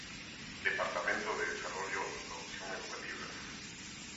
Departamento de Desarrollo y Producción Educativa.